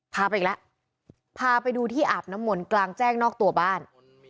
พาไปอีกแล้วพาไปดูที่อาบน้ำมนต์กลางแจ้งนอกตัวบ้าน